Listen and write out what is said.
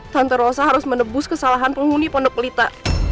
tante rosa harus menebus kesalahan penghuni pondok pelita